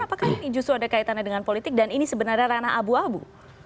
apakah ini justru ada kaitannya dengan politik dan ini sebenarnya ranah abu abu